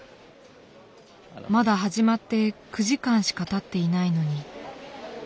まだ始まって９時間しかたっていないのに。